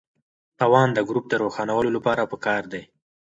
توان د ګروپ د روښانولو لپاره پکار دی.